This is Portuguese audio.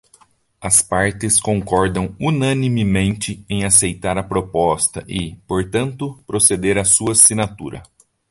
As partes concordam unanimemente em aceitar a proposta e, portanto, proceder à sua assinatura.